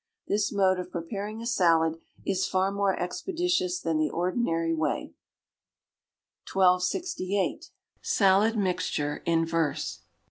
This mode of preparing a salad is far more expeditious than the ordinary way. 1268. Salad Mixture in Verse.